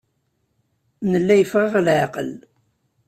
Nella yeffeɣ-aɣ leɛqel.